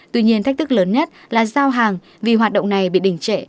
tuy nhiên thách thức lớn nhất là giao hàng vì hoạt động này bị đình trệ